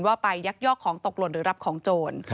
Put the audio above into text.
ว่าไปยักยอกของตกหล่นหรือรับของโจร